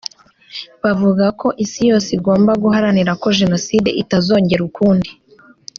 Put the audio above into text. bavuga ko isi yose igomba guharanira ko Jenoside itazongera ukundi